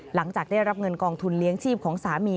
หลังจากได้รับเงินกองทุนเลี้ยงชีพของสามี